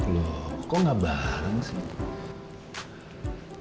loh kok gak bareng sih